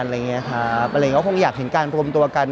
อะไรอย่างนี้ครับอะไรอย่างนี้ก็คงอยากเห็นการรวมตัวกัน